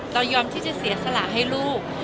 เรายอมที่จะเสียสละให้ลูก